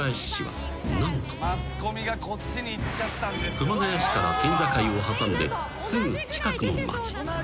［熊谷市から県境を挟んですぐ近くの町］